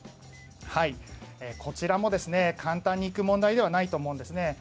こちらも簡単にいく問題ではないと思います。